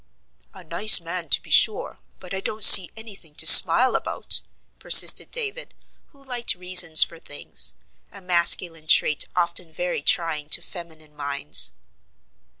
"A nice man to be sure; but I don't see any thing to smile about," persisted David, who liked reasons for things; a masculine trait often very trying to feminine minds.